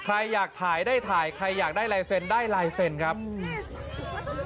ใครอยากถ่ายได้ถ่ายใครอยากได้ลายเซ็นต์ได้ลายเซ็นต์ครับอืม